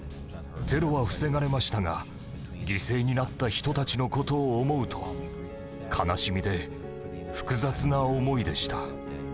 テロは防がれましたが犠牲になった人たちの事を思うと悲しみで複雑な思いでした。